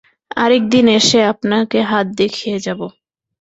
আরেকদিন এসে আপনাকে হাত দেখিয়ে যাব।